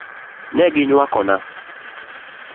Ne gi nywakona .